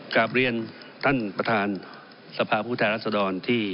ครับเรียนท่านประธานสภาพภูท้ายรัฐสถรที่